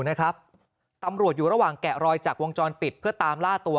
นะครับตำรวจอยู่ระหว่างแกะรอยจากวงจรปิดเพื่อตามล่าตัว